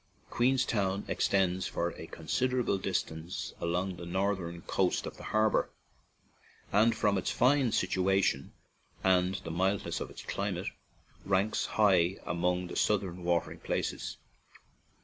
m Queenstown extends for a considerable distance along the northern coast of the 135 ON AN IRISH JAUNTING CAR harbor, and from its fine .situation and the mildness of its climate ranks high among the southern watering places.